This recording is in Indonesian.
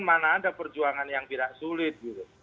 mana ada perjuangan yang tidak sulit